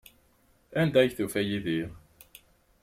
Anda ay tufa Yidir?